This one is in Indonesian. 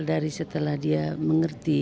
dari setelah dia mengerti